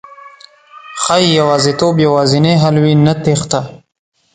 ښایي يوازېتوب یوازېنی حل وي، نه تېښته